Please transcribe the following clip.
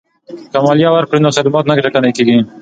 که مالیه ورکړو نو خدمات نه ټکنی کیږي.